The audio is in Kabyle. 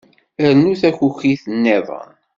Rnu takukit niḍen.